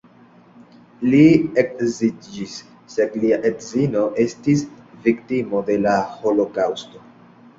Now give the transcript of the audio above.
Li edziĝis, sed lia edzino estis viktimo de la holokaŭsto.